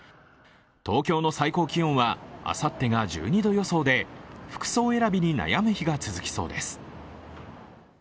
東京の最高気温はあさってが１２度予想で服装選びに悩む日が続きそうです。